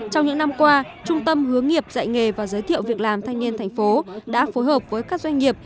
trong những năm qua trung tâm hướng nghiệp dạy nghề và giới thiệu việc làm thanh niên thành phố đã phối hợp với các doanh nghiệp